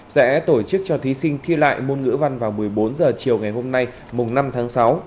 sẽ tổ chức cho thí sinh thi lại môn ngữ văn vào một mươi bốn h chiều ngày hôm nay mùng năm tháng sáu